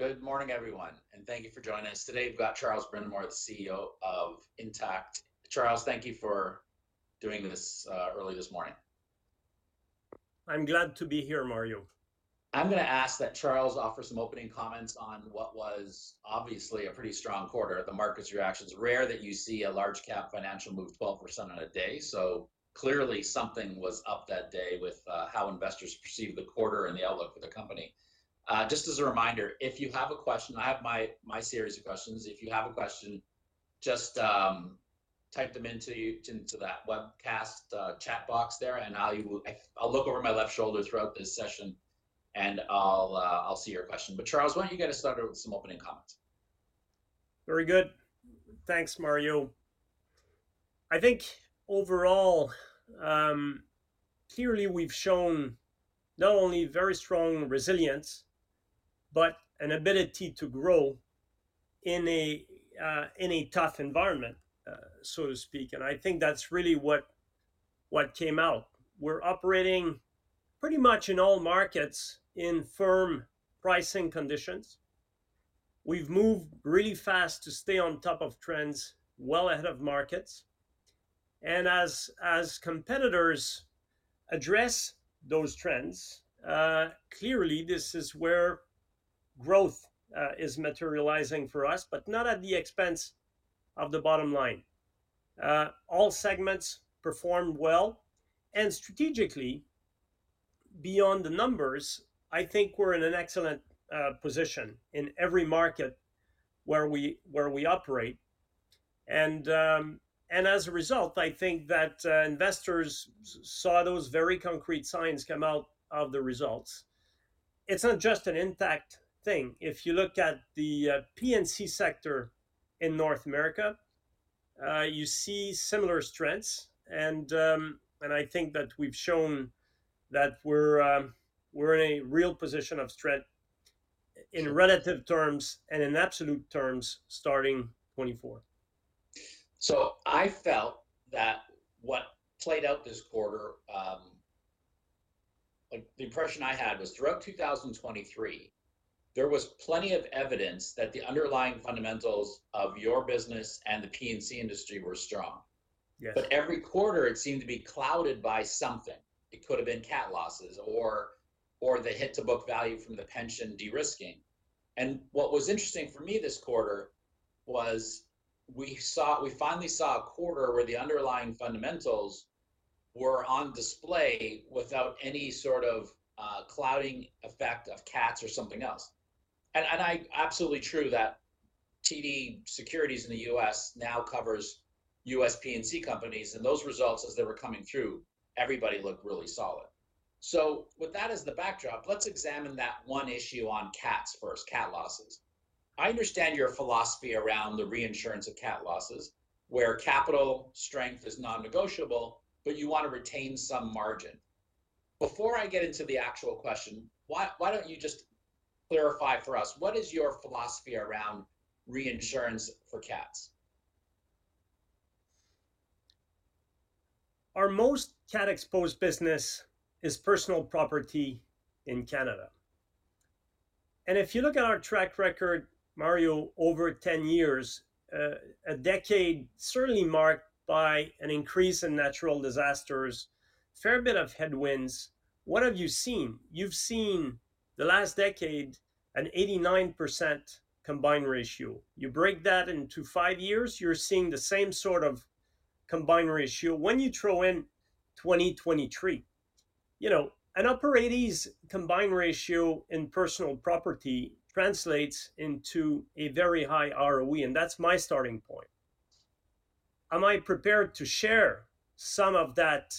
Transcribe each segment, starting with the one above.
Good morning, everyone, and thank you for joining us. Today we've got Charles Brindamour, the CEO of Intact. Charles, thank you for doing this early this morning. I'm glad to be here, Mario. I'm going to ask that Charles offer some opening comments on what was obviously a pretty strong quarter, the market's reactions. Rare that you see a large-cap financial move 12% in a day, so clearly something was up that day with how investors perceived the quarter and the outlook for the company. Just as a reminder, if you have a question I have my series of questions. If you have a question, just type them into that webcast chat box there, and I'll look over my left shoulder throughout this session, and I'll see your question. But Charles, why don't you get us started with some opening comments? Very good. Thanks, Mario. I think overall, clearly we've shown not only very strong resilience but an ability to grow in a tough environment, so to speak. And I think that's really what came out. We're operating pretty much in all markets in firm pricing conditions. We've moved really fast to stay on top of trends well ahead of markets. And as competitors address those trends, clearly this is where growth is materializing for us, but not at the expense of the bottom line. All segments performed well. And strategically, beyond the numbers, I think we're in an excellent position in every market where we operate. And as a result, I think that investors saw those very concrete signs come out of the results. It's not just an Intact thing. If you look at the P&C sector in North America, you see similar strengths. I think that we've shown that we're in a real position of strength in relative terms and in absolute terms starting 2024. So I felt that what played out this quarter, the impression I had was throughout 2023, there was plenty of evidence that the underlying fundamentals of your business and the P&C industry were strong. But every quarter, it seemed to be clouded by something. It could have been cat losses or the hit-to-book value from the pension de-risking. And what was interesting for me this quarter was we finally saw a quarter where the underlying fundamentals were on display without any sort of clouding effect of cats or something else. And absolutely true that TD Securities in the U.S. now covers U.S. P&C companies, and those results, as they were coming through, everybody looked really solid. So with that as the backdrop, let's examine that one issue on cats first, cat losses. I understand your philosophy around the reinsurance of cat losses, where capital strength is non-negotiable, but you want to retain some margin. Before I get into the actual question, why don't you just clarify for us: what is your philosophy around reinsurance for cats? Our most cat-exposed business is personal property in Canada. If you look at our track record, Mario, over 10 years, a decade certainly marked by an increase in natural disasters, a fair bit of headwinds. What have you seen? You've seen the last decade an 89% combined ratio. You break that into five years, you're seeing the same sort of combined ratio. When you throw in 2023, you know, an upper 80s combined ratio in personal property translates into a very high ROE, and that's my starting point. Am I prepared to share some of that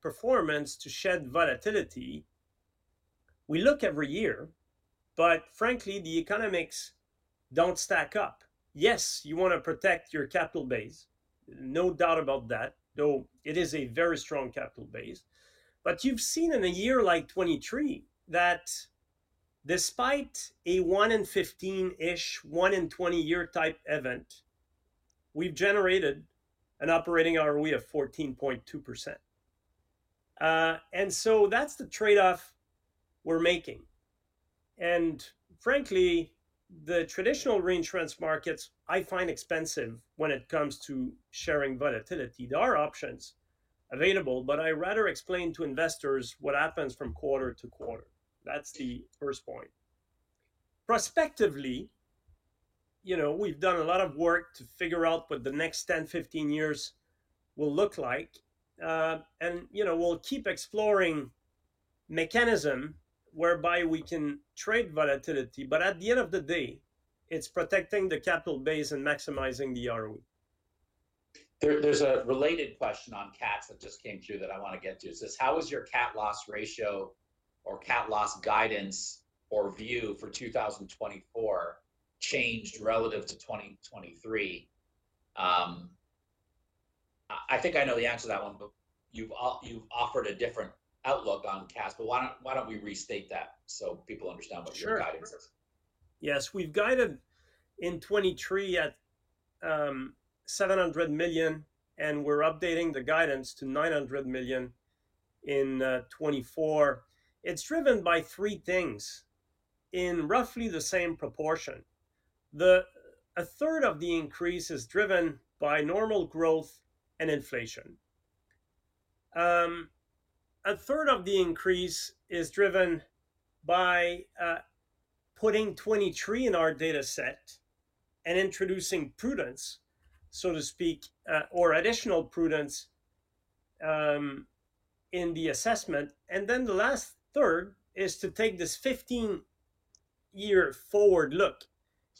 performance to shed volatility? We look every year, but frankly, the economics don't stack up. Yes, you want to protect your capital base, no doubt about that, though it is a very strong capital base. But you've seen in a year like 2023 that despite a 1 in 15-ish, 1 in 20-year type event, we've generated an operating ROE of 14.2%. And so that's the trade-off we're making. And frankly, the traditional reinsurance markets I find expensive when it comes to sharing volatility. There are options available, but I'd rather explain to investors what happens from quarter to quarter. That's the first point. Prospectively, you know, we've done a lot of work to figure out what the next 10, 15 years will look like. And, you know, we'll keep exploring mechanisms whereby we can trade volatility, but at the end of the day, it's protecting the capital base and maximizing the ROE. There's a related question on cats that just came through that I want to get to. It says, how has your cat loss ratio or cat loss guidance or view for 2024 changed relative to 2023? I think I know the answer to that one, but you've offered a different outlook on cats. Why don't we restate that so people understand what your guidance is? Sure. Yes, we've guided in 2023 at 700 million, and we're updating the guidance to 900 million in 2024. It's driven by three things in roughly the same proportion. A third of the increase is driven by normal growth and inflation. A third of the increase is driven by putting 2023 in our dataset and introducing prudence, so to speak, or additional prudence in the assessment. And then the last third is to take this 15-year forward look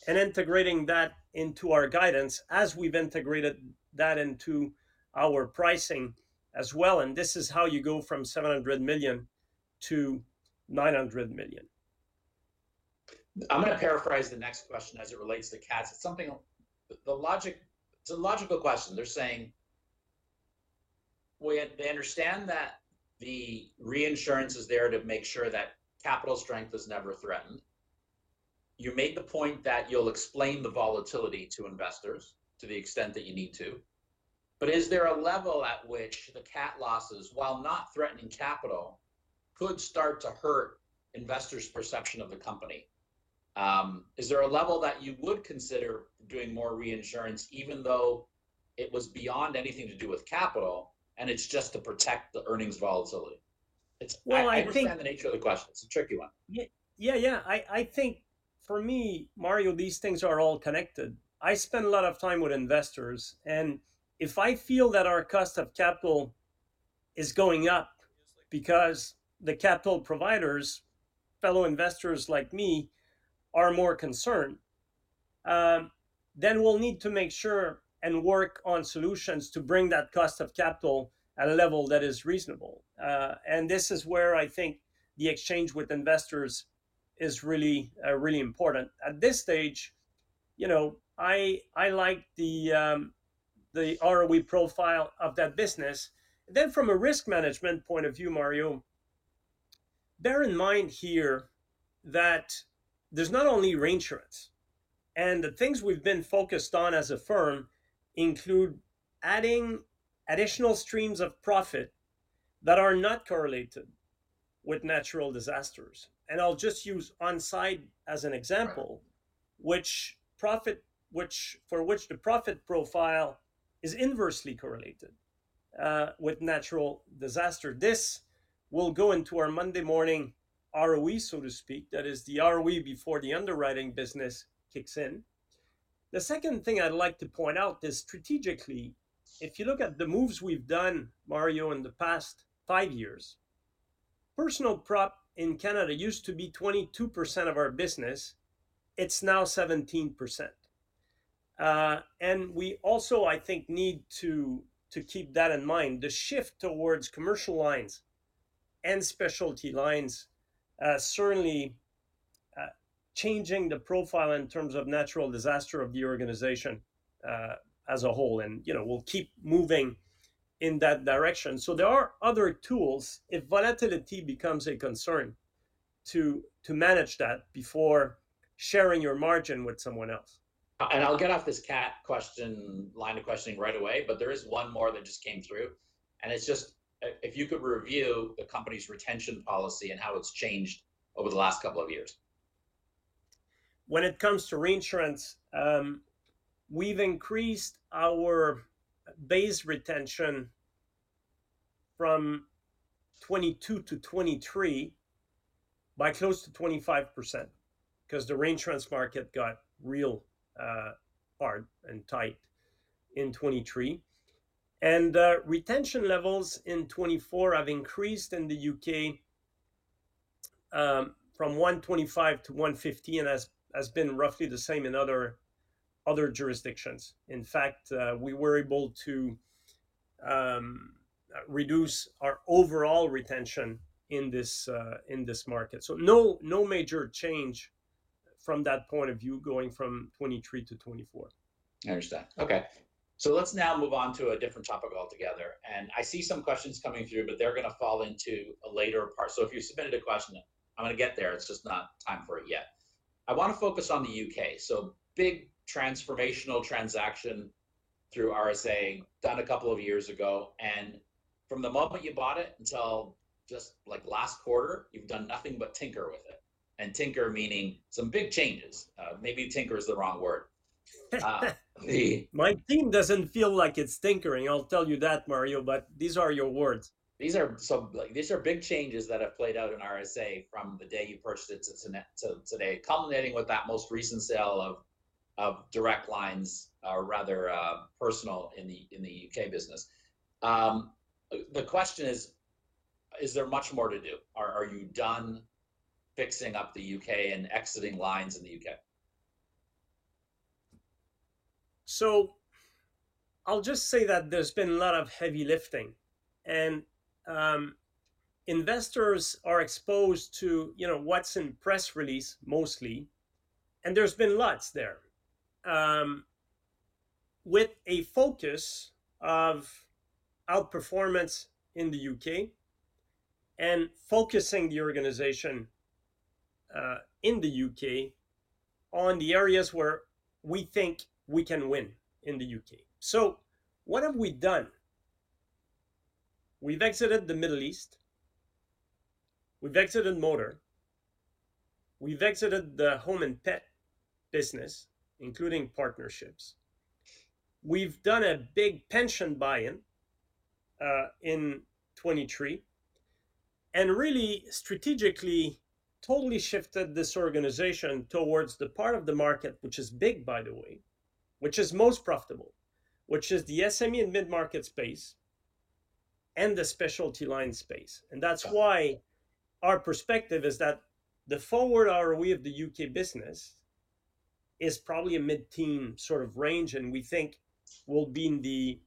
and integrating that into our guidance as we've integrated that into our pricing as well. And this is how you go from 700 million-900 million. I'm going to paraphrase the next question as it relates to cats. It's something, it's a logical question. They're saying, "We understand that the reinsurance is there to make sure that capital strength is never threatened. You made the point that you'll explain the volatility to investors to the extent that you need to. But is there a level at which the cat losses, while not threatening capital, could start to hurt investors' perception of the company? Is there a level that you would consider doing more reinsurance even though it was beyond anything to do with capital and it's just to protect the earnings volatility? I understand the nature of the question. It's a tricky one. Yeah, yeah. I think for me, Mario, these things are all connected. I spend a lot of time with investors. And if I feel that our cost of capital is going up because the capital providers, fellow investors like me, are more concerned, then we'll need to make sure and work on solutions to bring that cost of capital at a level that is reasonable. And this is where I think the exchange with investors is really important. At this stage, you know, I like the ROE profile of that business. Then from a risk management point of view, Mario, bear in mind here that there's not only reinsurance. And the things we've been focused on as a firm include adding additional streams of profit that are not correlated with natural disasters. And I'll just use On Side as an example, for which the profit profile is inversely correlated with natural disaster. This will go into our Monday morning ROE, so to speak. That is the ROE before the underwriting business kicks in. The second thing I'd like to point out is strategically, if you look at the moves we've done, Mario, in the past five years, personal prop in Canada used to be 22% of our business. It's now 17%. And we also, I think, need to keep that in mind. The shift towards commercial lines and specialty lines certainly changing the profile in terms of natural disaster of the organization as a whole. And, you know, we'll keep moving in that direction. So there are other tools if volatility becomes a concern to manage that before sharing your margin with someone else. I'll get off this cat question line of questioning right away, but there is one more that just came through. It's just if you could review the company's retention policy and how it's changed over the last couple of years. When it comes to reinsurance, we've increased our base retention from 2022-2023 by close to 25% because the reinsurance market got real hard and tight in 2023. And retention levels in 2024 have increased in the U.K. from 125-150 and has been roughly the same in other jurisdictions. In fact, we were able to reduce our overall retention in this market. So no major change from that point of view going from 2023-2024. I understand. Okay. So let's now move on to a different topic altogether. And I see some questions coming through, but they're going to fall into a later part. So if you submitted a question, I'm going to get there. It's just not time for it yet. I want to focus on the U.K. So big transformational transaction through RSA done a couple of years ago. And from the moment you bought it until just like last quarter, you've done nothing but tinker with it. And tinker meaning some big changes. Maybe tinker is the wrong word. My team doesn't feel like it's tinkering. I'll tell you that, Mario, but these are your words. These are big changes that have played out in RSA from the day you purchased it to today, culminating with that most recent sale of direct lines, rather personal, in the U.K. business. The question is, is there much more to do? Are you done fixing up the U.K. and exiting lines in the U.K.? I'll just say that there's been a lot of heavy lifting. Investors are exposed to, you know, what's in press release mostly. There's been lots there with a focus of outperformance in the U.K. and focusing the organization in the U.K. on the areas where we think we can win in the U.K. What have we done? We've exited the Middle East. We've exited motor. We've exited the home and pet business, including partnerships. We've done a big pension buy-in in 2023 and really strategically totally shifted this organization towards the part of the market, which is big, by the way, which is most profitable, which is the SME and mid-market space and the specialty line space. That's why our perspective is that the forward ROE of the U.K. business is probably a mid-teens sort of range, and we think will be in the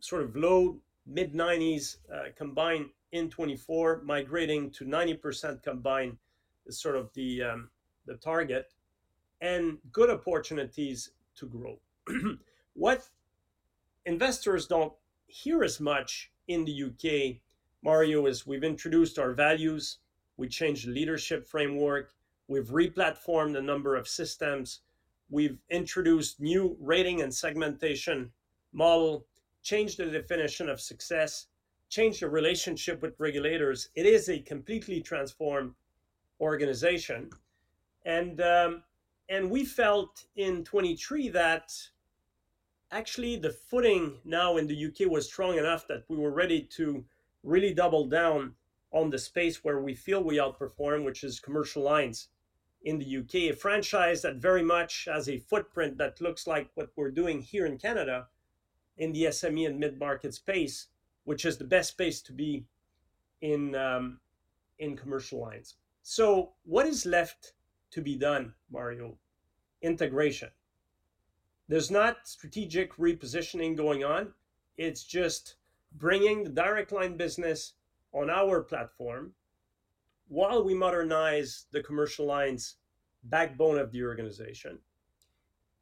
sort of low-mid 90s combined in 2024, migrating to 90% combined is sort of the target and good opportunities to grow. What investors don't hear as much in the U.K., Mario, is we've introduced our values. We changed the leadership framework. We've replatformed a number of systems. We've introduced a new rating and segmentation model, changed the definition of success, changed the relationship with regulators. It is a completely transformed organization. And we felt in 2023 that actually the footing now in the U.K. was strong enough that we were ready to really double down on the space where we feel we outperform, which is commercial lines in the U.K., a franchise that very much has a footprint that looks like what we're doing here in Canada in the SME and mid-market space, which is the best space to be in commercial lines. So what is left to be done, Mario? Integration. There's not strategic repositioning going on. It's just bringing the Direct Line business on our platform while we modernize the commercial lines, backbone of the organization.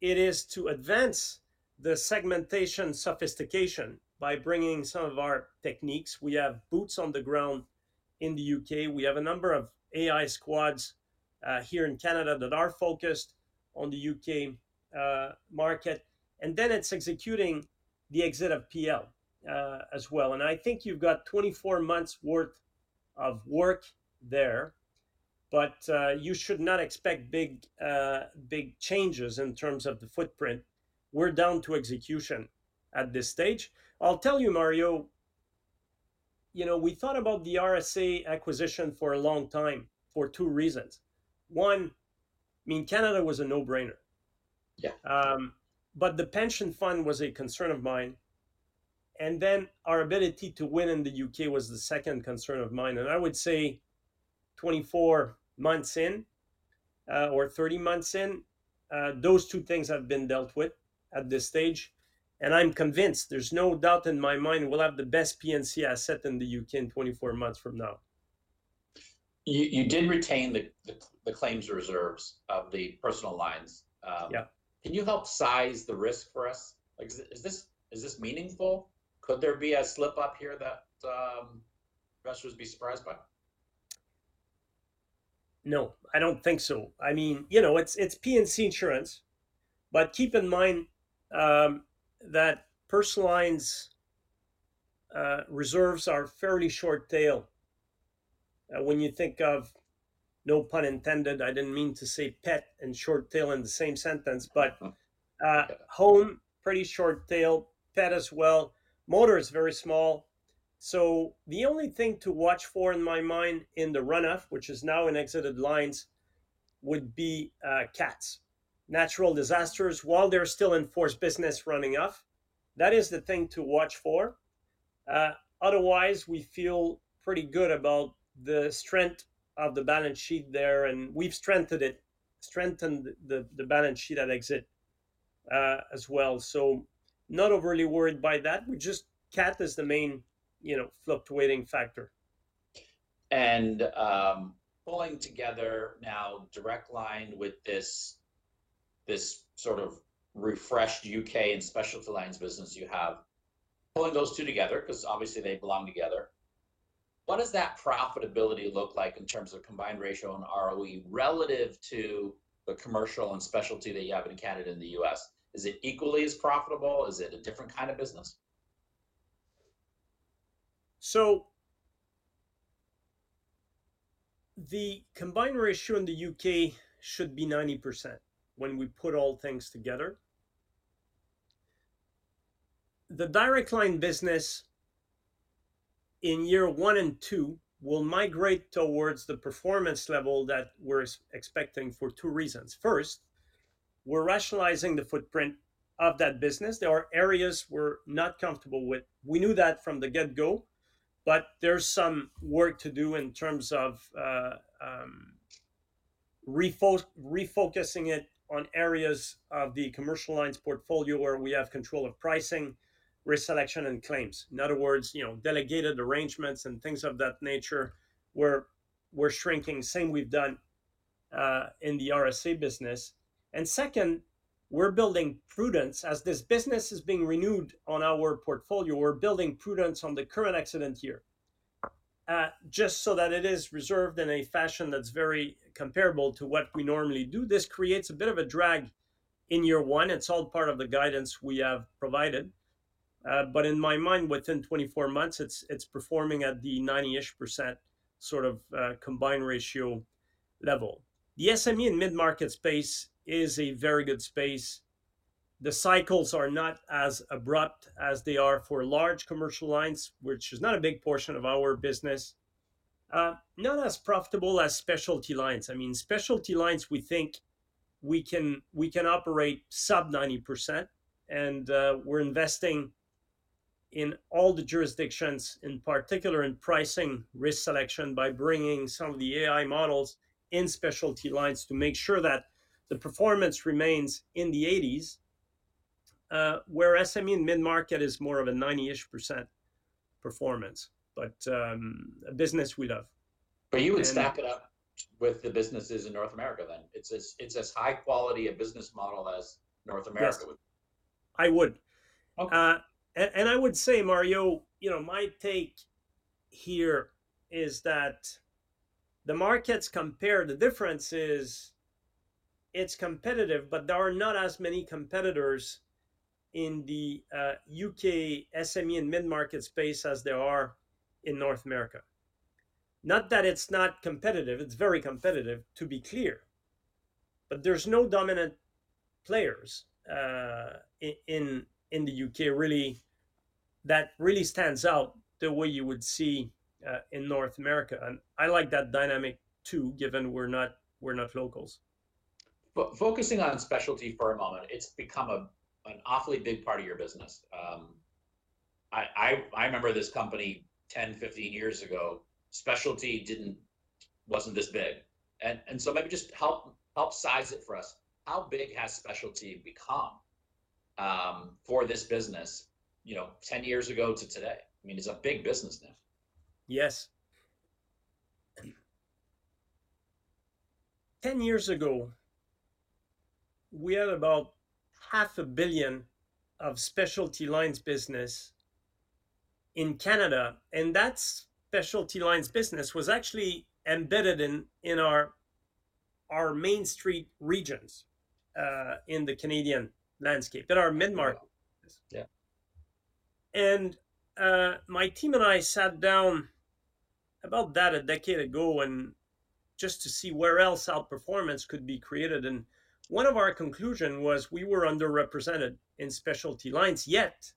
It is to advance the segmentation sophistication by bringing some of our techniques. We have boots on the ground in the U.K. We have a number of AI squads here in Canada that are focused on the U.K. market. And then it's executing the exit of PL as well. And I think you've got 24 months' worth of work there, but you should not expect big changes in terms of the footprint. We're down to execution at this stage. I'll tell you, Mario, you know, we thought about the RSA acquisition for a long time for two reasons. One, I mean, Canada was a no-brainer. Yeah, but the pension fund was a concern of mine. And then our ability to win in the U.K. was the second concern of mine. And I would say 24 months in or 30 months in, those two things have been dealt with at this stage. And I'm convinced there's no doubt in my mind we'll have the best P&C asset in the U.K. in 24 months from now. You did retain the claims reserves of the personal lines. Yeah, can you help size the risk for us? Is this meaningful? Could there be a slip-up here that investors would be surprised by? No, I don't think so. I mean, you know, it's P&C insurance. But keep in mind that personal lines reserves are fairly short-tailed. When you think of, no pun intended, I didn't mean to say pet and short-tailed in the same sentence, but home, pretty short-tailed, pet as well. Motor is very small. So the only thing to watch for in my mind in the runoff, which is now in exited lines, would be cats, natural disasters, while they're still in forced business running off. That is the thing to watch for. Otherwise, we feel pretty good about the strength of the balance sheet there, and we've strengthened the balance sheet at exit as well. So not overly worried by that. We just cat is the main fluctuating factor. Pulling together now Direct Line with this sort of refreshed U.K. and specialty lines business you have, pulling those two together because obviously they belong together, what does that profitability look like in terms of combined ratio and ROE relative to the commercial and specialty that you have in Canada and the U.S.? Is it equally as profitable? Is it a different kind of business? So the combined ratio in the U.K. should be 90% when we put all things together. The Direct Line business in year one and two will migrate towards the performance level that we're expecting for two reasons. First, we're rationalizing the footprint of that business. There are areas we're not comfortable with. We knew that from the get-go. But there's some work to do in terms of refocusing it on areas of the commercial lines portfolio where we have control of pricing, reselection, and claims. In other words, delegated arrangements and things of that nature we're shrinking. Same we've done in the RSA business. And second, we're building prudence. As this business is being renewed on our portfolio, we're building prudence on the current accident year just so that it is reserved in a fashion that's very comparable to what we normally do. This creates a bit of a drag in year one. It's all part of the guidance we have provided. But in my mind, within 24 months, it's performing at the 90-ish% sort of combined ratio level. The SME and mid-market space is a very good space. The cycles are not as abrupt as they are for large commercial lines, which is not a big portion of our business, not as profitable as specialty lines. I mean, specialty lines, we think we can operate sub-90%. And we're investing in all the jurisdictions, in particular in pricing, risk selection, by bringing some of the AI models in specialty lines to make sure that the performance remains in the 80s, where SME and mid-market is more of a 90-ish% performance, but a business we love. You would stack it up with the businesses in North America then. It's as high quality a business model as North America would be. Yes, I would. I would say, Mario, you know my take here is that the markets compare, the difference is it's competitive, but there are not as many competitors in the U.K. SME and mid-market space as there are in North America. Not that it's not competitive. It's very competitive, to be clear. But there's no dominant players in the U.K. really that really stands out the way you would see in North America. I like that dynamic too, given we're not locals. Focusing on specialty for a moment, it's become an awfully big part of your business. I remember this company 10, 15 years ago. Specialty wasn't this big. And so maybe just help size it for us. How big has specialty become for this business 10 years ago to today? I mean, it's a big business now. Yes. 10 years ago, we had about 500 million of specialty lines business in Canada. That specialty lines business was actually embedded in our Main Street regions in the Canadian landscape, in our mid-market business. My team and I sat down about that a decade ago just to see where else outperformance could be created. One of our conclusions was we were underrepresented in specialty lines. Yet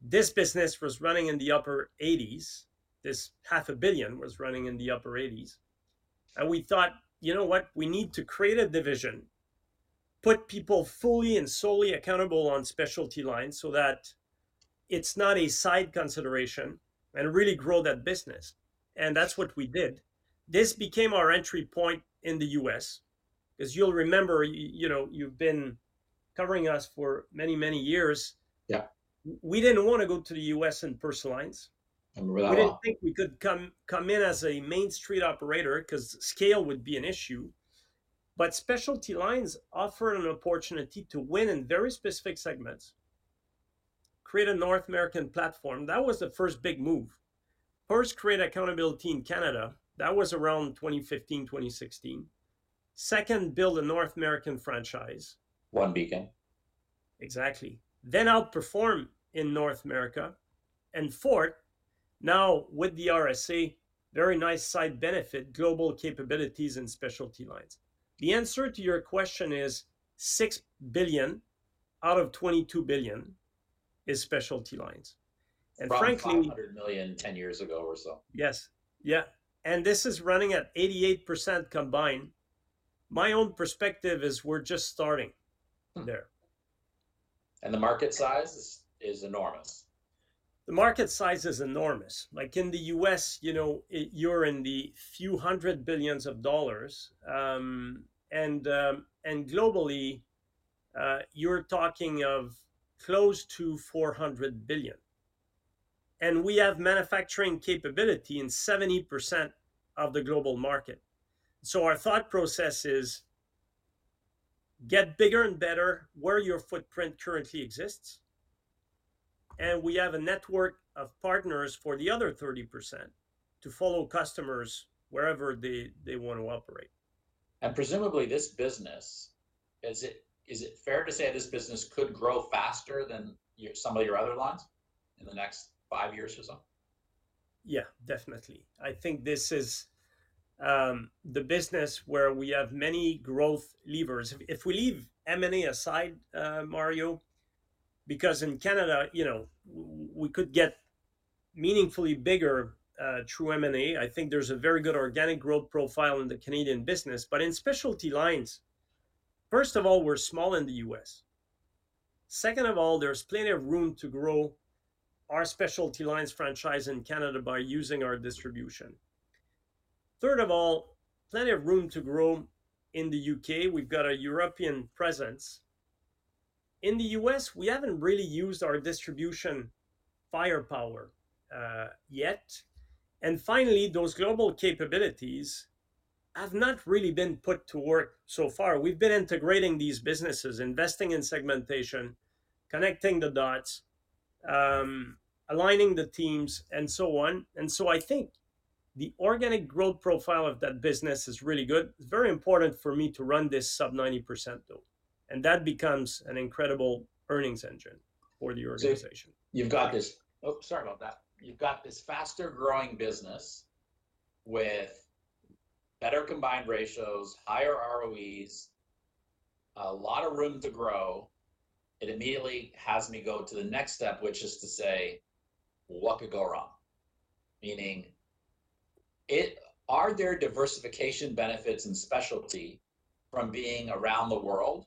this business was running in the upper 80s. This CAD 500 million was running in the upper 80s. We thought, you know what? We need to create a division, put people fully and solely accountable on specialty lines so that it's not a side consideration, and really grow that business. That's what we did. This became our entry point in the U.S. because you'll remember, you've been covering us for many, many years. Yeah, we didn't want to go to the U.S. in personal lines. We didn't think we could come in as a main street operator because scale would be an issue. But specialty lines offered an opportunity to win in very specific segments, create a North American platform. That was the first big move. First, create accountability in Canada. That was around 2015, 2016. Second, build a North American franchise. OneBeacon. Exactly. Then outperform in North America. And fourth, now with the RSA, very nice side benefit, global capabilities in specialty lines. The answer to your question is 6 billion out of 22 billion is specialty lines. And frankly. 500 million 10 years ago or so. Yes. Yeah. This is running at 88% combined. My own perspective is we're just starting there. The market size is enormous. The market size is enormous. Like in the U.S., you know you're in the few hundred billions of dollars. Globally, you're talking of close to $400 billion. We have manufacturing capability in 70% of the global market. Our thought process is get bigger and better where your footprint currently exists. We have a network of partners for the other 30% to follow customers wherever they want to operate. Presumably, this business, is it fair to say this business could grow faster than some of your other lines in the next five years or so? Yeah, definitely. I think this is the business where we have many growth levers. If we leave M&A aside, Mario, because in Canada, you know we could get meaningfully bigger through M&A. I think there's a very good organic growth profile in the Canadian business. But in specialty lines, first of all, we're small in the U.S. Second of all, there's plenty of room to grow our specialty lines franchise in Canada by using our distribution. Third of all, plenty of room to grow in the U.K. We've got a European presence. In the U.S., we haven't really used our distribution firepower yet. And finally, those global capabilities have not really been put to work so far. We've been integrating these businesses, investing in segmentation, connecting the dots, aligning the teams, and so on. And so I think the organic growth profile of that business is really good. It's very important for me to run this sub-90%, though. That becomes an incredible earnings engine for the organization. So you've got this faster-growing business with better combined ratios, higher ROEs, a lot of room to grow. It immediately has me go to the next step, which is to say, what could go wrong? Meaning, are there diversification benefits in specialty from being around the world?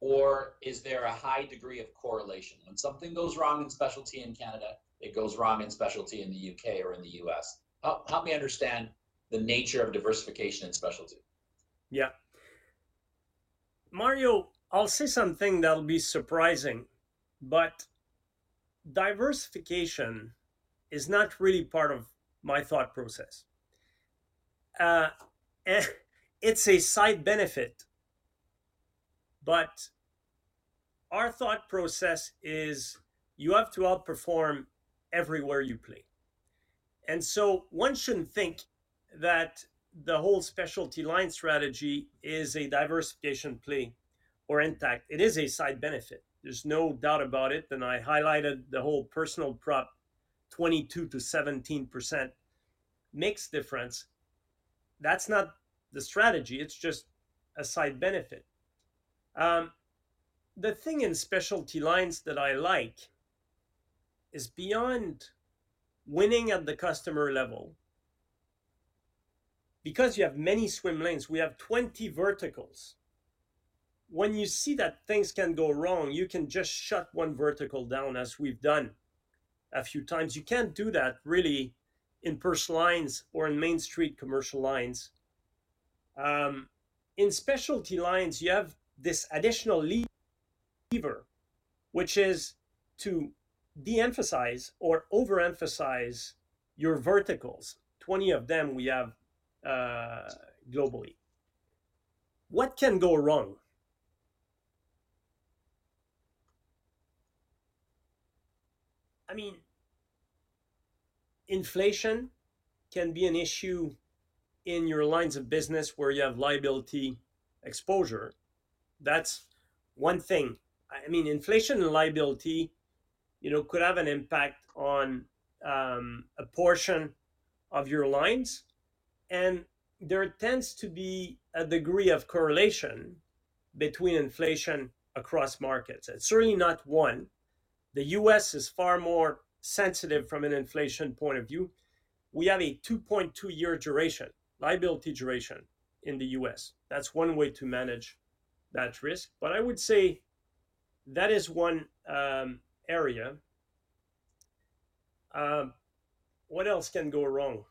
Or is there a high degree of correlation? When something goes wrong in specialty in Canada, it goes wrong in specialty in the U.K. or in the U.S. Help me understand the nature of diversification in specialty. Yeah. Mario, I'll say something that'll be surprising. Diversification is not really part of my thought process. It's a side benefit. Our thought process is you have to outperform everywhere you play. So one shouldn't think that the whole specialty line strategy is a diversification play or Intact. It is a side benefit. There's no doubt about it. I highlighted the whole personal prop 22%-17% mix difference. That's not the strategy. It's just a side benefit. The thing in specialty lines that I like is beyond winning at the customer level, because you have many swim lanes, we have 20 verticals. When you see that things can go wrong, you can just shut one vertical down, as we've done a few times. You can't do that, really, in personal lines or in main street commercial lines. In specialty lines, you have this additional lever, which is to de-emphasize or overemphasize your verticals. 20 of them we have globally. What can go wrong? I mean, inflation can be an issue in your lines of business where you have liability exposure. That's one thing. I mean, inflation and liability could have an impact on a portion of your lines. There tends to be a degree of correlation between inflation across markets. It's certainly not one. The U.S. is far more sensitive from an inflation point of view. We have a 2.2-year duration, liability duration, in the U.S. That's one way to manage that risk. But I would say that is one area. What else can go wrong?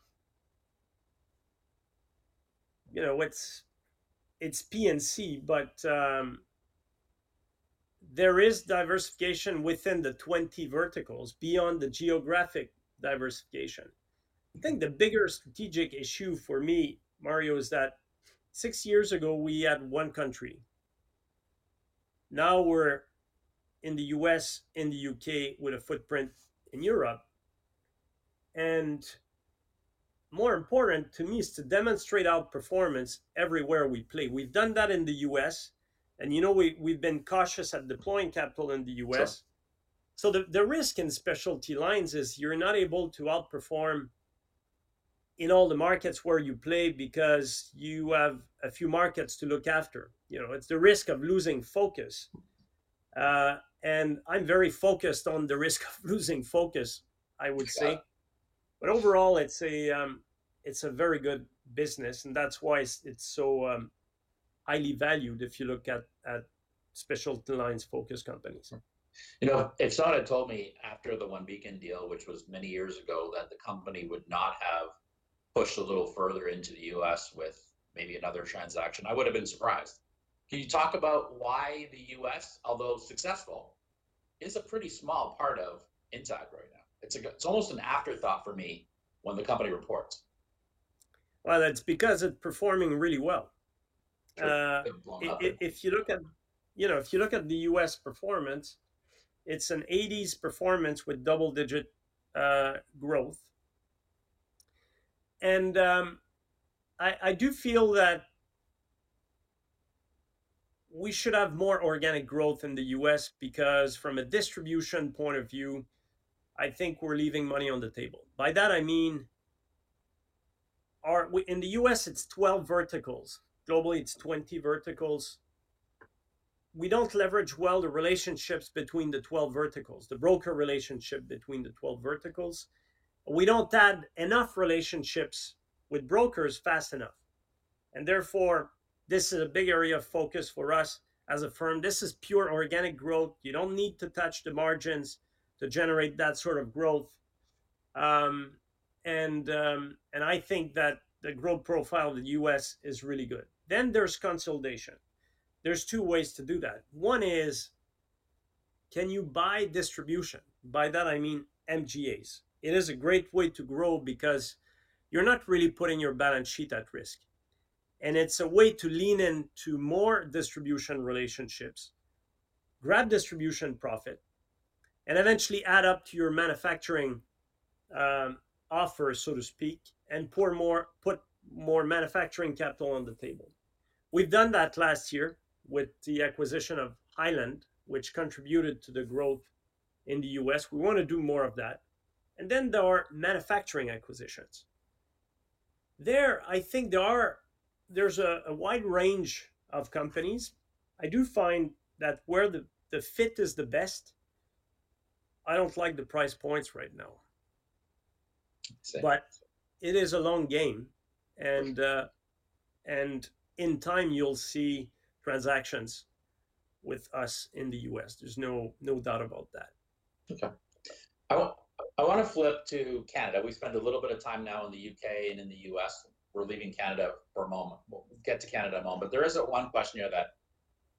You know it's P&C, but there is diversification within the 20 verticals, beyond the geographic diversification. I think the bigger strategic issue for me, Mario, is that six years ago, we had one country. Now we're in the U.S., in the U.K., with a footprint in Europe. And more important to me is to demonstrate outperformance everywhere we play. We've done that in the U.S. And you know we've been cautious at deploying capital in the U.S. So the risk in specialty lines is you're not able to outperform in all the markets where you play because you have a few markets to look after. You know it's the risk of losing focus. And I'm very focused on the risk of losing focus, I would say. But overall, it's a very good business and that's why it's so highly valued if you look at specialty lines focused companies. You know it's not a totally after the OneBeacon deal, which was many years ago, that the company would not have pushed a little further into the U.S. with maybe another transaction. I would have been surprised. Can you talk about why the U.S., although successful, is a pretty small part of Intact right now? It's almost an afterthought for me when the company reports. Well, that's because it's performing really well. If you look at you know the U.S. performance, it's an 80s performance with double-digit growth. And I do feel that we should have more organic growth in the U.S. because, from a distribution point of view, I think we're leaving money on the table. By that, I mean, in the U.S., it's 12 verticals. Globally, it's 20 verticals. We don't leverage well the relationships between the 12 verticals, the broker relationship between the 12 verticals. We don't add enough relationships with brokers fast enough. And therefore, this is a big area of focus for us as a firm. This is pure organic growth. You don't need to touch the margins to generate that sort of growth. And I think that the growth profile of the U.S. is really good. Then there's consolidation. There's two ways to do that. One is, can you buy distribution? By that, I mean MGAs. It is a great way to grow because you're not really putting your balance sheet at risk. It's a way to lean into more distribution relationships, grab distribution profit, and eventually add up to your manufacturing offer, so to speak, and put more manufacturing capital on the table. We've done that last year with the acquisition of Highland, which contributed to the growth in the U.S. We want to do more of that. Then there are manufacturing acquisitions. There, I think there's a wide range of companies. I do find that where the fit is the best, I don't like the price points right now. But it is a long game. And in time, you'll see transactions with us in the U.S. There's no doubt about that. OK. I want to flip to Canada. We spend a little bit of time now in the U.K. and in the U.S. We're leaving Canada for a moment. We'll get to Canada in a moment. But there is one question here that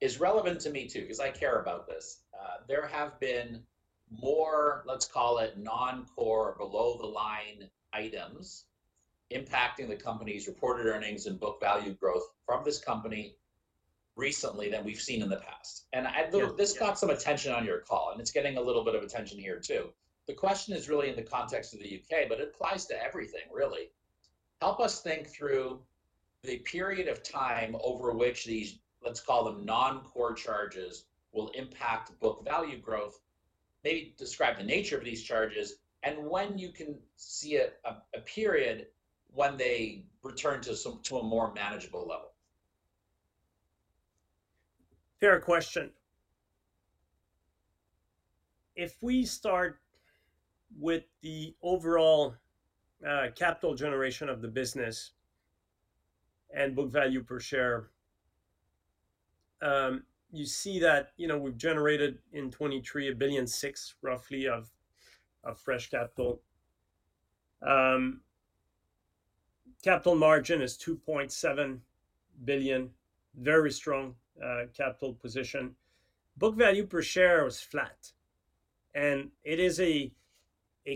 is relevant to me, too, because I care about this. There have been more, let's call it, non-core or below-the-line items impacting the company's reported earnings and book value growth from this company recently than we've seen in the past. And this got some attention on your call. And it's getting a little bit of attention here, too. The question is really in the context of the U.K., but it applies to everything, really. Help us think through the period of time over which these, let's call them, non-core charges will impact book value growth. Maybe describe the nature of these charges and when you can see a period when they return to a more manageable level? Fair question. If we start with the overall capital generation of the business and book value per share, you see that we've generated in 2023 1.6 billion, roughly, of fresh capital. Capital margin is 2.7 billion, very strong capital position. Book value per share was flat. It is a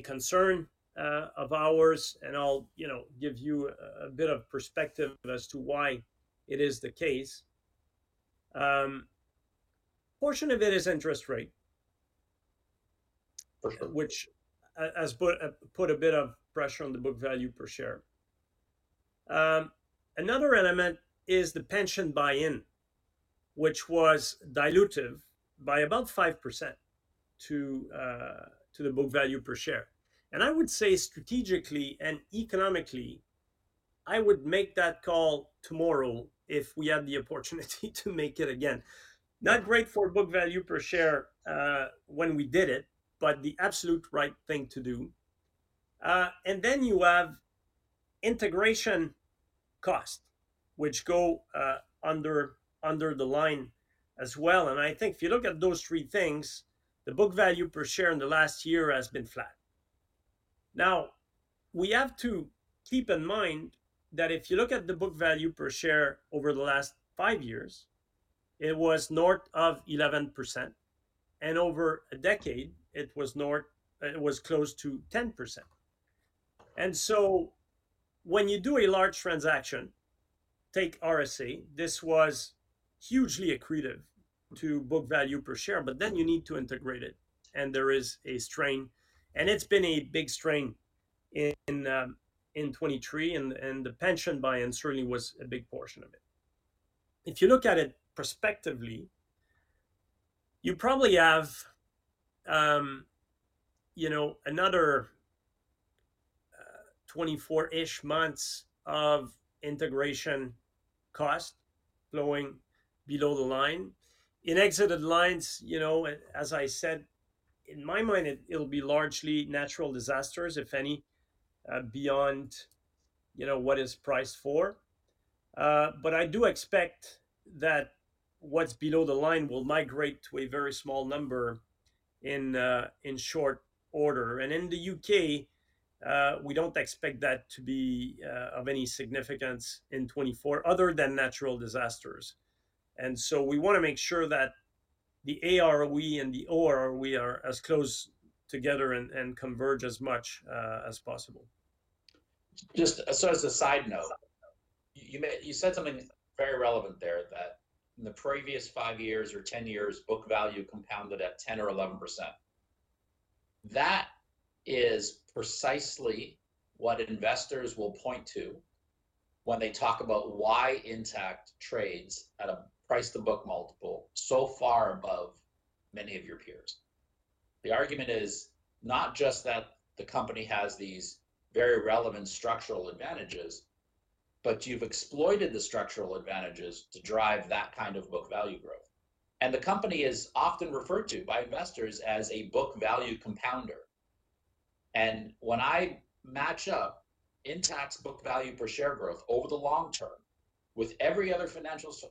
concern of ours. I'll give you a bit of perspective as to why it is the case. A portion of it is interest rate, which has put a bit of pressure on the book value per share. Another element is the pension buy-in, which was dilutive by about 5% to the book value per share. I would say, strategically and economically, I would make that call tomorrow if we had the opportunity to make it again. Not great for book value per share when we did it, but the absolute right thing to do. Then you have integration costs, which go under the line as well. I think if you look at those three things, the book value per share in the last year has been flat. Now, we have to keep in mind that if you look at the book value per share over the last five years, it was north of 11%. Over a decade, it was close to 10%. So when you do a large transaction, take RSA, this was hugely accretive to book value per share. But then you need to integrate it. There is a strain. It's been a big strain in 2023. The pension buy-in certainly was a big portion of it. If you look at it prospectively, you probably have another 24-ish months of integration cost flowing below the line. In exited lines, you know, as I said, in my mind, it'll be largely natural disasters, if any, beyond, you know, what is priced for. But I do expect that what's below the line will migrate to a very small number in short order. And in the U.K., we don't expect that to be of any significance in 2024 other than natural disasters. And so we want to make sure that the AROE and the OROE are as close together and converge as much as possible. Just as a side note, you said something very relevant there that in the previous five years or 10 years, book value compounded at 10% or 11%. That is precisely what investors will point to when they talk about why Intact trades at a price-to-book multiple so far above many of your peers. The argument is not just that the company has these very relevant structural advantages, but you've exploited the structural advantages to drive that kind of book value growth. And the company is often referred to by investors as a book value compounder. And when I match up Intact's book value per share growth over the long term with every other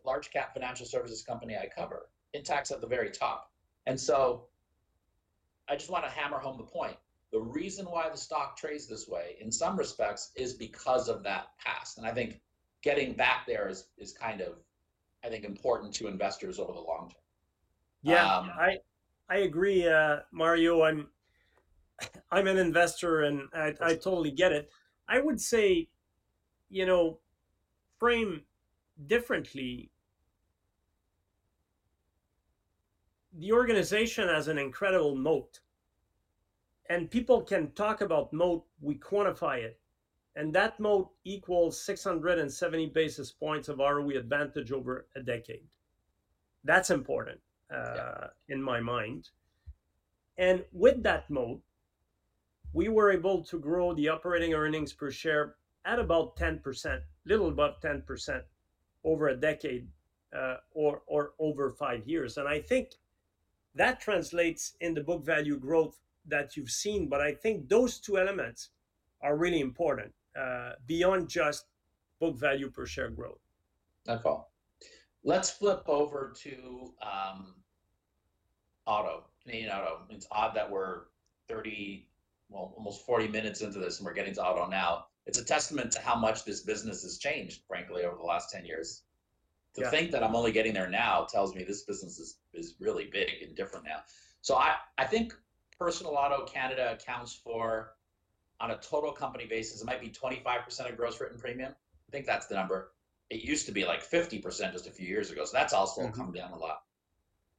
large-cap financial services company I cover, Intact's at the very top. And so I just want to hammer home the point. The reason why the stock trades this way, in some respects, is because of that past. I think getting back there is kind of, I think, important to investors over the long term. Yeah. I agree, Mario. I'm an investor. I totally get it. I would say, you know, frame differently the organization as an incredible moat. People can talk about moat. We quantify it. That moat equals 670 basis points of ROE advantage over a decade. That's important in my mind. With that moat, we were able to grow the operating earnings per share at about 10%, a little above 10%, over a decade or over five years. I think that translates in the book value growth that you've seen. But I think those two elements are really important beyond just book value per share growth. Not at all. Let's flip over to Auto, Canadian Auto. It's odd that we're 30, well, almost 40 minutes into this. We're getting to Auto now. It's a testament to how much this business has changed, frankly, over the last 10 years. To think that I'm only getting there now tells me this business is really big and different now. I think Personal Auto Canada accounts for, on a total company basis, it might be 25% of gross written premium. I think that's the number. It used to be like 50% just a few years ago. That's also come down a lot.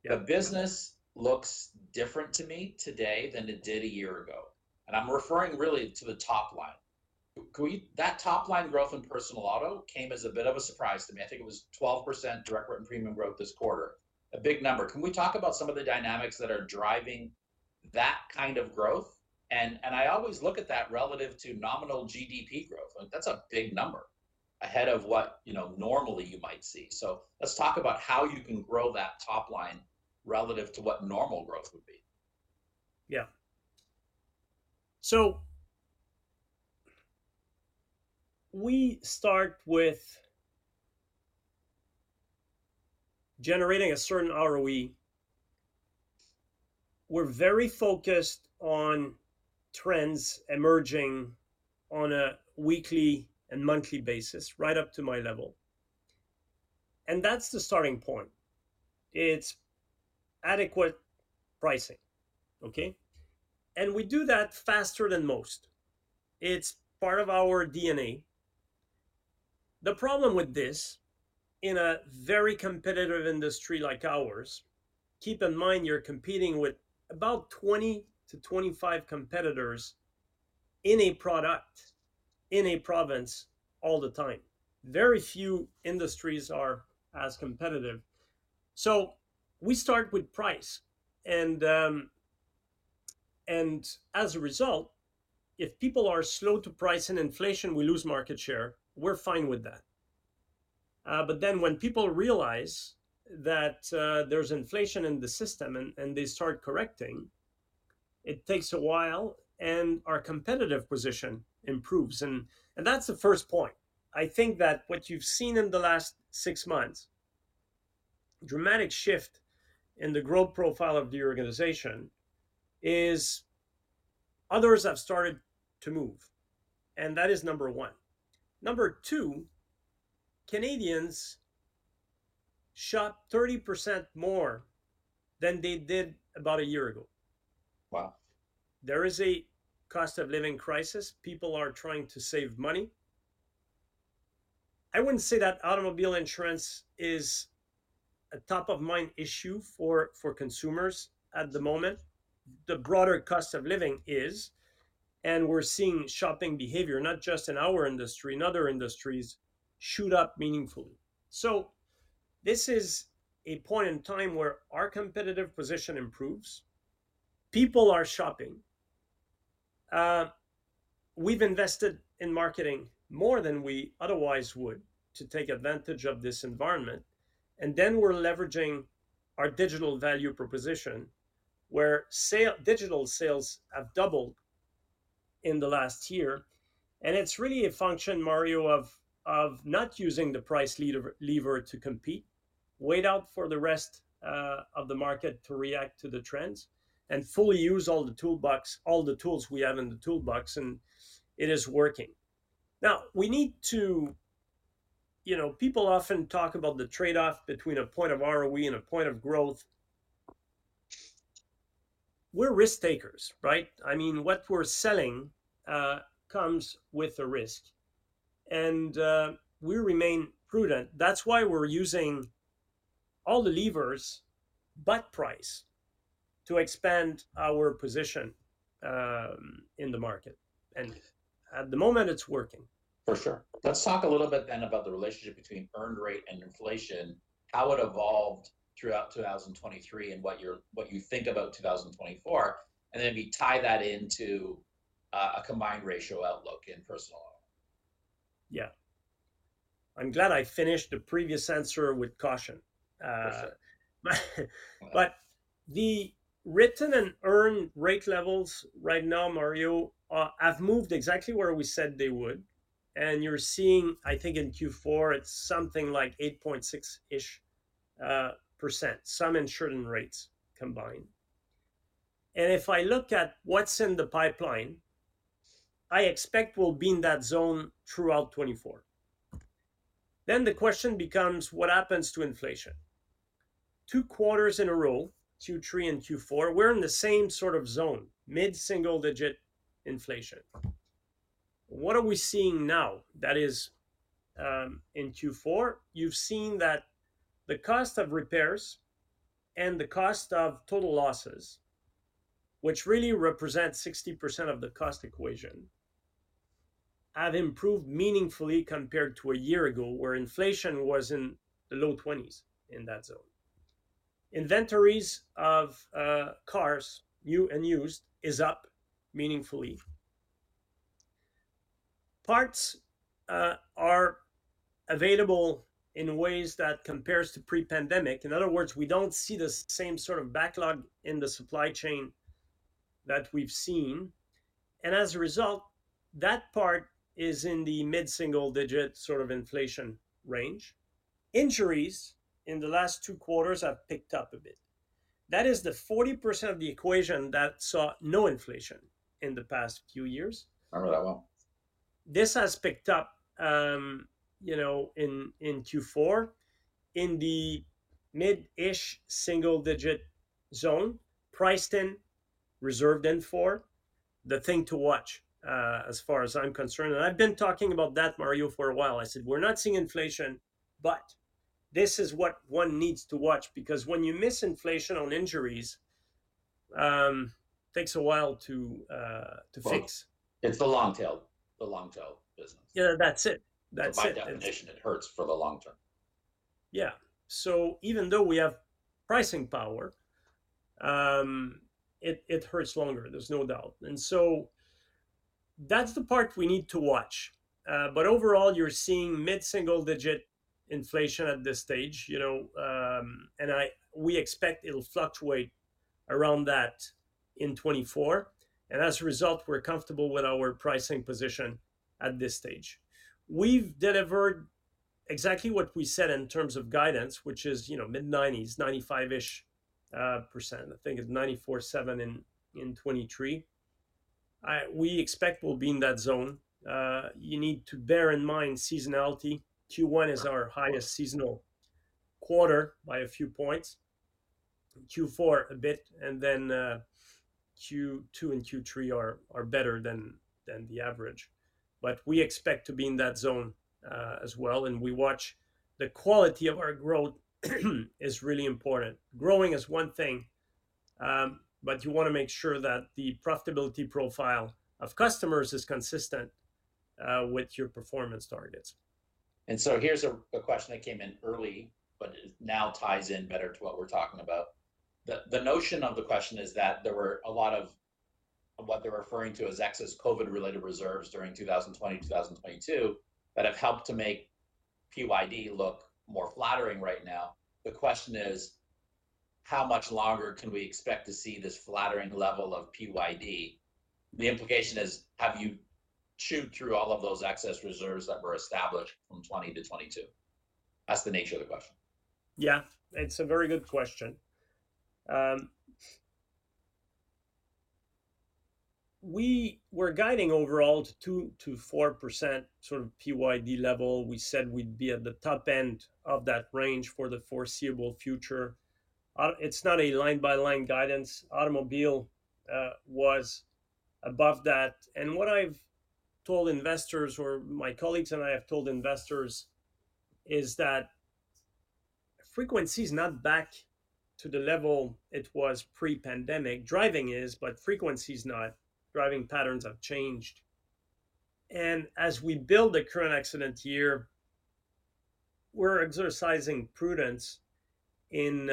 The business looks different to me today than it did a year ago. I'm referring, really, to the top line. That top line growth in Personal Auto came as a bit of a surprise to me. I think it was 12% Direct Written Premium growth this quarter, a big number. Can we talk about some of the dynamics that are driving that kind of growth? And I always look at that relative to nominal GDP growth. That's a big number ahead of what normally you might see. So let's talk about how you can grow that top line relative to what normal growth would be. Yeah. So we start with generating a certain ROE. We're very focused on trends emerging on a weekly and monthly basis, right up to my level. And that's the starting point. It's adequate pricing, OK? And we do that faster than most. It's part of our DNA. The problem with this, in a very competitive industry like ours, keep in mind you're competing with about 20-25 competitors in a product, in a province all the time. Very few industries are as competitive. So we start with price. And as a result, if people are slow to price in inflation, we lose market share. We're fine with that. But then when people realize that there's inflation in the system and they start correcting, it takes a while. And our competitive position improves. And that's the first point. I think that what you've seen in the last six months, a dramatic shift in the growth profile of the organization, is others have started to move. And that is number one. Number two, Canadians shop 30% more than they did about a year ago. Wow. There is a cost of living crisis. People are trying to save money. I wouldn't say that automobile insurance is a top-of-mind issue for consumers at the moment. The broader cost of living is. We're seeing shopping behavior, not just in our industry, in other industries, shoot up meaningfully. This is a point in time where our competitive position improves. People are shopping. We've invested in marketing more than we otherwise would to take advantage of this environment. Then we're leveraging our digital value proposition, where digital sales have doubled in the last year. It's really a function, Mario, of not using the price lever to compete, wait out for the rest of the market to react to the trends, and fully use all the toolbox, all the tools we have in the toolbox. It is working. Now, we need to, you know, people often talk about the trade-off between a point of ROE and a point of growth. We're risk takers, right? I mean, what we're selling comes with a risk. And we remain prudent. That's why we're using all the levers, but price, to expand our position in the market. And at the moment, it's working. For sure. Let's talk a little bit, then, about the relationship between Earned Rate and inflation, how it evolved throughout 2023, and what you think about 2024, and then maybe tie that into a Combined Ratio outlook in Personal Auto. Yeah. I'm glad I finished the previous answer with caution. For sure. But the written and earned rate levels right now, Mario, have moved exactly where we said they would. And you're seeing, I think, in Q4, it's something like 8.6%-ish %, some insured and rates combined. And if I look at what's in the pipeline, I expect we'll be in that zone throughout 2024. Then the question becomes, what happens to inflation? Two quarters in a row, Q3 and Q4, we're in the same sort of zone, mid-single digit inflation. What are we seeing now that is in Q4? You've seen that the cost of repairs and the cost of total losses, which really represent 60% of the cost equation, have improved meaningfully compared to a year ago, where inflation was in the low 20s in that zone. Inventories of cars, new and used, are up meaningfully. Parts are available in ways that compare to pre-pandemic. In other words, we don't see the same sort of backlog in the supply chain that we've seen. And as a result, that part is in the mid-single digit sort of inflation range. Injuries in the last two quarters have picked up a bit. That is the 40% of the equation that saw no inflation in the past few years. I remember that well. This has picked up, you know, in Q4 in the mid-ish single digit zone, priced in, reserved in for, the thing to watch as far as I'm concerned. And I've been talking about that, Mario, for a while. I said, we're not seeing inflation. But this is what one needs to watch. Because when you miss inflation on injuries, it takes a while to fix. It's the long tail, the long tail business. Yeah. That's it. That's it. By definition, it hurts for the long term. Yeah. So even though we have pricing power, it hurts longer. There's no doubt. And so that's the part we need to watch. But overall, you're seeing mid-single digit inflation at this stage. You know and we expect it'll fluctuate around that in 2024. And as a result, we're comfortable with our pricing position at this stage. We've delivered exactly what we said in terms of guidance, which is you know mid-90s, 95%-ish. I think it's 94.7% in 2023. We expect we'll be in that zone. You need to bear in mind seasonality. Q1 is our highest seasonal quarter by a few points, Q4 a bit. And then Q2 and Q3 are better than the average. But we expect to be in that zone as well. And we watch the quality of our growth is really important. Growing is one thing. But you want to make sure that the profitability profile of customers is consistent with your performance targets. Here's a question that came in early, but now ties in better to what we're talking about. The notion of the question is that there were a lot of what they're referring to as excess COVID-related reserves during 2020 and 2022 that have helped to make PYD look more flattering right now. The question is, how much longer can we expect to see this flattering level of PYD? The implication is, have you chewed through all of those excess reserves that were established from 2020-2022? That's the nature of the question. Yeah. It's a very good question. We were guiding overall to 2%-4% sort of PYD level. We said we'd be at the top end of that range for the foreseeable future. It's not a line-by-line guidance. Automobile was above that. And what I've told investors, or my colleagues and I have told investors, is that frequency is not back to the level it was pre-pandemic. Driving is, but frequency is not. Driving patterns have changed. And as we build the current accident year, we're exercising prudence in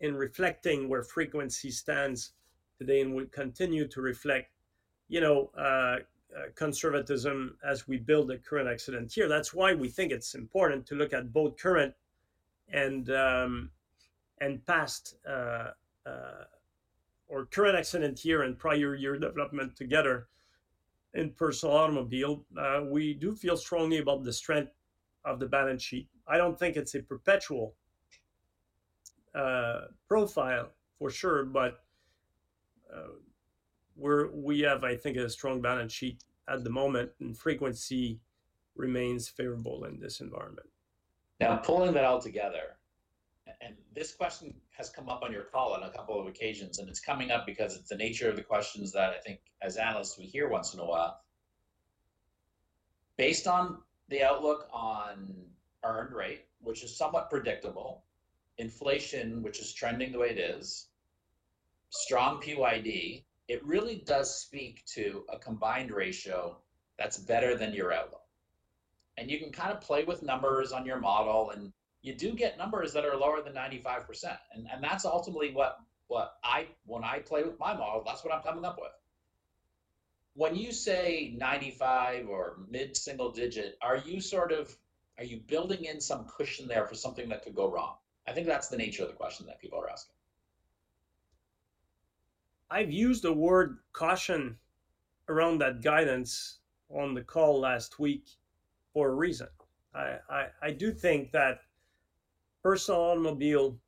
reflecting where frequency stands today. And we continue to reflect you know conservatism as we build the current accident year. That's why we think it's important to look at both current and past or current accident year and prior year development together in Personal Automobile. We do feel strongly about the strength of the balance sheet. I don't think it's a perpetual profile, for sure. But we have, I think, a strong balance sheet at the moment. Frequency remains favorable in this environment. Now, pulling that all together, and this question has come up on your call on a couple of occasions. It's coming up because it's the nature of the questions that, I think, as analysts, we hear once in a while. Based on the outlook on earned rate, which is somewhat predictable, inflation, which is trending the way it is, strong PYD, it really does speak to a combined ratio that's better than your outlook. You can kind of play with numbers on your model. You do get numbers that are lower than 95%. That's ultimately what, when I play with my model, that's what I'm coming up with. When you say 95% or mid-single digit, are you sort of building in some cushion there for something that could go wrong? I think that's the nature of the question that people are asking. I've used the word caution around that guidance on the call last week for a reason. I do think that Personal Automobile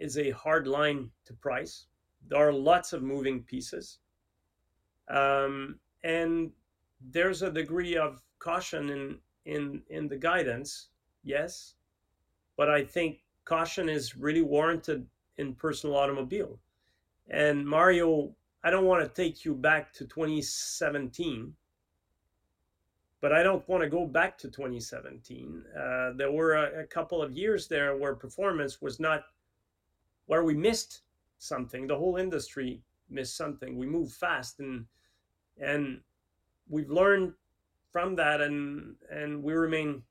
is a hard line to price. There are lots of moving pieces. There's a degree of caution in the guidance, yes. I think caution is really warranted in Personal Automobile. Mario, I don't want to take you back to 2017. I don't want to go back to 2017. There were a couple of years there where performance was not where we missed something. The whole industry missed something. We moved fast. We've learned from that. We remain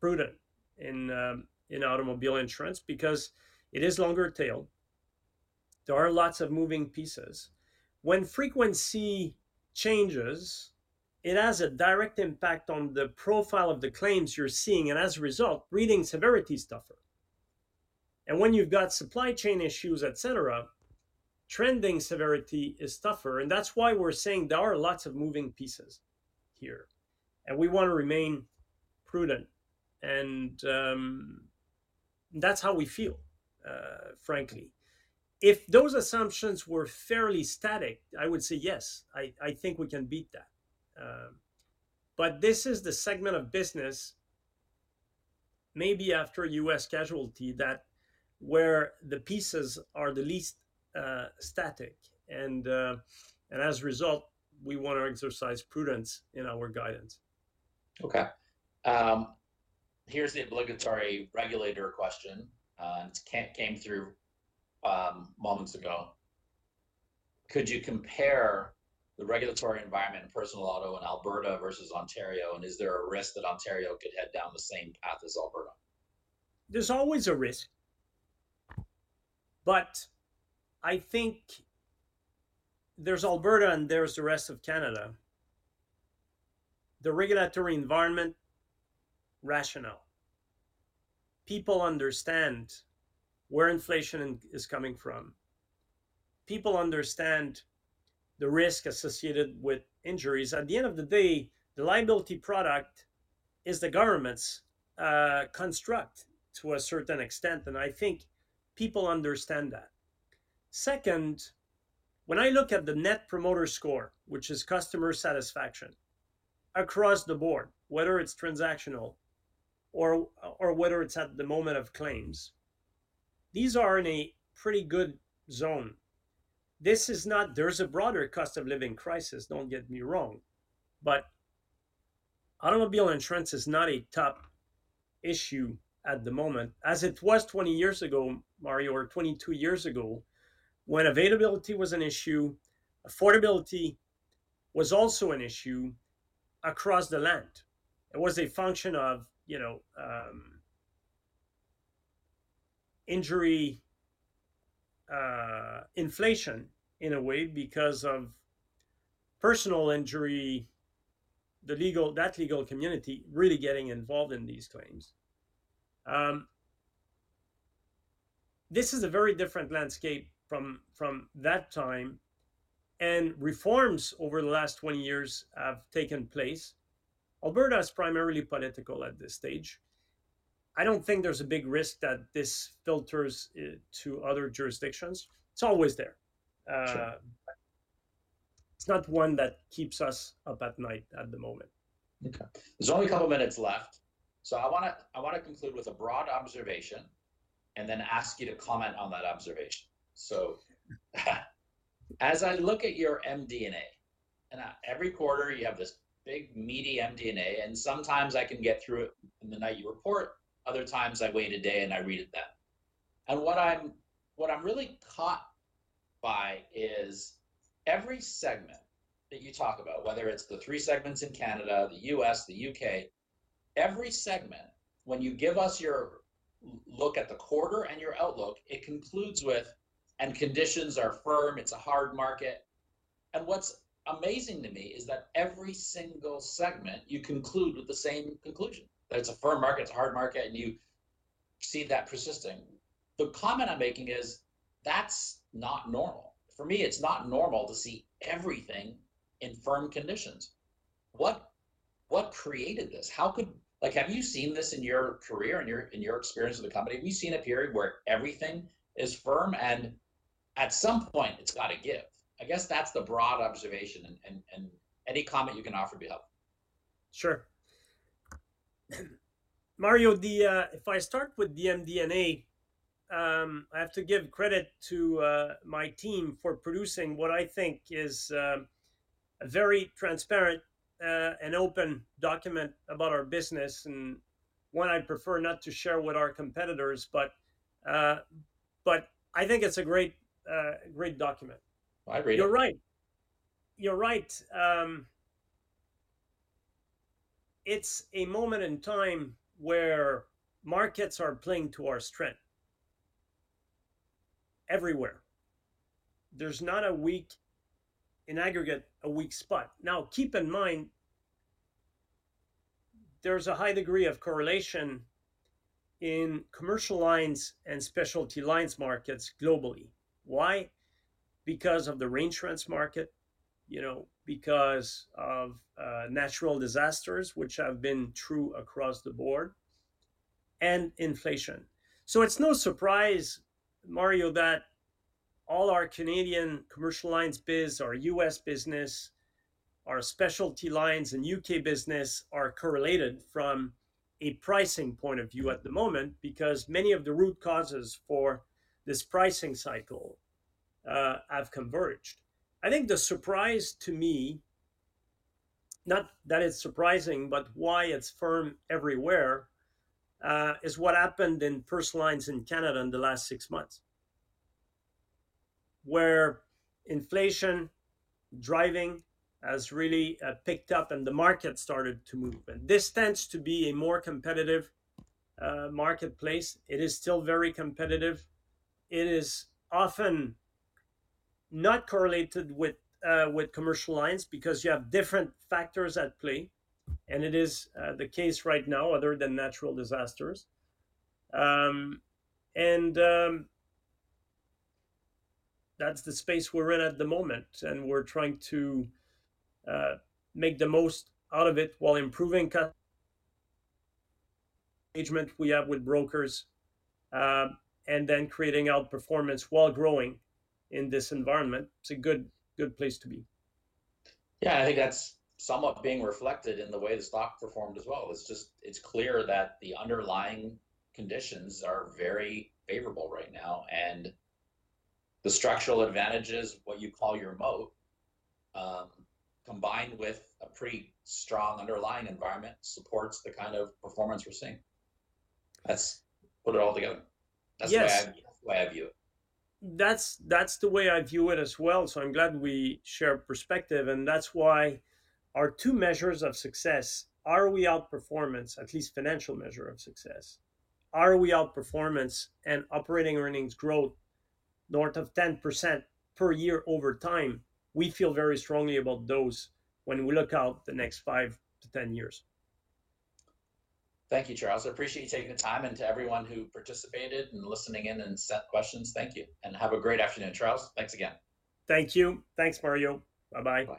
prudent in automobile insurance because it is longer tailed. There are lots of moving pieces. When frequency changes, it has a direct impact on the profile of the claims you're seeing. As a result, reading severity is tougher. And when you've got supply chain issues, et cetera, trending severity is tougher. And that's why we're saying there are lots of moving pieces here. And we want to remain prudent. And that's how we feel, frankly. If those assumptions were fairly static, I would say, yes, I think we can beat that. But this is the segment of business, maybe after U.S. casualty, where the pieces are the least static. And as a result, we want to exercise prudence in our guidance. OK. Here's the obligatory regulator question. And it came through moments ago. Could you compare the regulatory environment in Personal Auto in Alberta versus Ontario? And is there a risk that Ontario could head down the same path as Alberta? There's always a risk. But I think there's Alberta, and there's the rest of Canada. The regulatory environment rationale. People understand where inflation is coming from. People understand the risk associated with injuries. At the end of the day, the liability product is the government's construct to a certain extent. And I think people understand that. Second, when I look at the Net Promoter Score, which is customer satisfaction across the board, whether it's transactional or whether it's at the moment of claims, these are in a pretty good zone. This is not. There's a broader cost of living crisis, don't get me wrong. But automobile insurance is not a top issue at the moment, as it was 20 years ago, Mario, or 22 years ago, when availability was an issue. Affordability was also an issue across the land. It was a function of injury inflation in a way because of personal injury, that legal community really getting involved in these claims. This is a very different landscape from that time. Reforms over the last 20 years have taken place. Alberta is primarily political at this stage. I don't think there's a big risk that this filters to other jurisdictions. It's always there. It's not one that keeps us up at night at the moment. OK. There's only a couple of minutes left. So I want to conclude with a broad observation and then ask you to comment on that observation. So as I look at your MD&A, and every quarter, you have this big, meaty MD&A. And sometimes I can get through it in the night you report. Other times, I wait a day and I read it then. And what I'm really caught by is every segment that you talk about, whether it's the three segments in Canada, the U.S., the U.K., every segment, when you give us your look at the quarter and your outlook, it concludes with, and conditions are firm. It's a hard market. And what's amazing to me is that every single segment, you conclude with the same conclusion, that it's a firm market, it's a hard market. And you see that persisting. The comment I'm making is, that's not normal. For me, it's not normal to see everything in firm conditions. What created this? Like, have you seen this in your career and your experience with the company? Have you seen a period where everything is firm? At some point, it's got to give. I guess that's the broad observation. Any comment you can offer would be helpful. Sure. Mario, if I start with the MD&A, I have to give credit to my team for producing what I think is a very transparent and open document about our business. And one, I'd prefer not to share with our competitors. But I think it's a great document. I agree. You're right. You're right. It's a moment in time where markets are playing to our strength everywhere. There's not a weak, in aggregate, a weak spot. Now, keep in mind, there's a high degree of correlation in commercial lines and specialty lines markets globally. Why? Because of the reinsurance market, you know because of natural disasters, which have been true across the board, and inflation. So it's no surprise, Mario, that all our Canadian commercial lines biz, our U.S. business, our specialty lines, and U.K. business are correlated from a pricing point of view at the moment because many of the root causes for this pricing cycle have converged. I think the surprise to me, not that it's surprising, but why it's firm everywhere is what happened in personal lines in Canada in the last six months, where inflation driving has really picked up. And the market started to move. This tends to be a more competitive marketplace. It is still very competitive. It is often not correlated with commercial lines because you have different factors at play. It is the case right now, other than natural disasters. That's the space we're in at the moment. We're trying to make the most out of it while improving customer engagement we have with brokers and then creating outperformance while growing in this environment. It's a good place to be. Yeah. I think that's somewhat being reflected in the way the stock performed as well. It's clear that the underlying conditions are very favorable right now. The structural advantages, what you call your moat, combined with a pretty strong underlying environment, supports the kind of performance we're seeing. Let's put it all together. That's the way I view it. That's the way I view it as well. So I'm glad we share perspective. And that's why our two measures of success, ROE outperformance, at least financial measure of success, ROE outperformance and operating earnings growth north of 10% per year over time, we feel very strongly about those when we look out the next 5-10 years. Thank you, Charles. I appreciate you taking the time. To everyone who participated and listening in and sent questions, thank you. Have a great afternoon, Charles. Thanks again. Thank you. Thanks, Mario. Bye-bye.